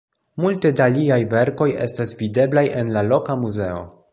Multe da liaj verkoj estas videblaj en la loka muzeo.